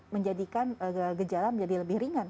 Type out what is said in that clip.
menjadikan gejala menjadi lebih ringan